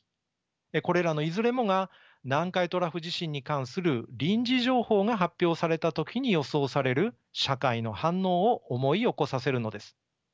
これらのいずれもが南海トラフ地震に関する臨時情報が発表された時に予想される社会の反応を思い起こさせるのです。